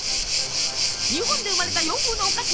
日本で生まれた洋風のお菓子。